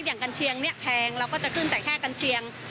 กัญเชียงเนี่ยแพงเราก็จะขึ้นแต่แค่กัญเชียง